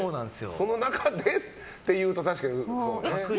その中でっていうと確かにね。